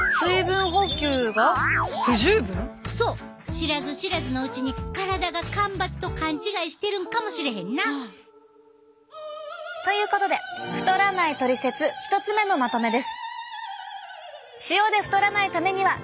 知らず知らずのうちに体が干ばつと勘違いしてるんかもしれへんな。ということで太らないトリセツ１つ目のまとめです！